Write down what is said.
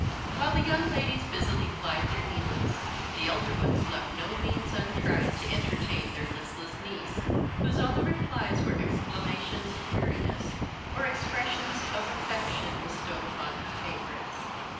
While the young ladies busily plied their needles, the elder ones left no means untried to entertain their listless niece, whose only replies were exclamations of weariness, or expressions of affection bestowed upon her favourites.